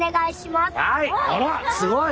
すごいよ。